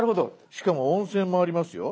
しかも温泉もありますよ。